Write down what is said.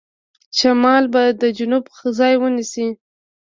شمال به د جنوب ځای ونیسي.